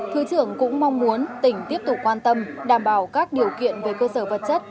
thứ trưởng cũng mong muốn tỉnh tiếp tục quan tâm đảm bảo các điều kiện về cơ sở vật chất